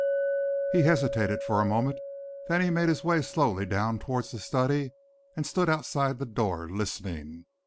He hesitated for a moment. Then he made his way slowly down towards the study and stood outside the door, listening.